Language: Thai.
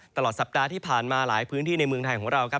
ตลอดสัปดาห์ที่ผ่านมาหลายพื้นที่ในเมืองไทยของเราครับ